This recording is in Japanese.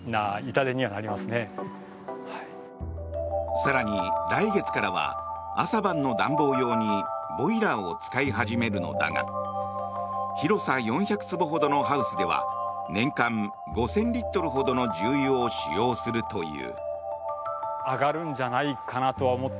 更に、来月からは朝晩の暖房用にボイラーを使い始めるのだが広さ４００坪ほどのハウスでは年間５０００リットルほどの重油を使用するという。